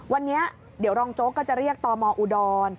วันนี้เดี๋ยวรองโจ๊กก็จะเรียกตมอุดร